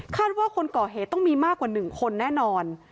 ว่าคนก่อเหตุต้องมีมากกว่า๑คนแน่นอน